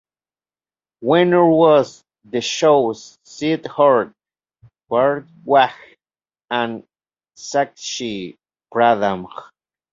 Winner was the shows Sidharth Bhardwaj and Sakshi Pradhan.